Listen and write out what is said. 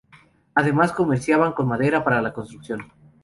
Además comerciaban con madera para la construcción.